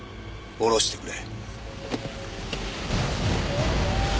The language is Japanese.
降ろしてくれ。